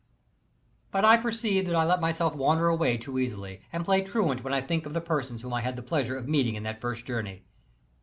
"* But I perceive that I let myself wander away too easily, and play truant when I think of the persons whom I had the pleasure of meeting in that first journey.